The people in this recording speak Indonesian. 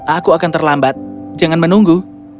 aku akan terlambat jangan menunggu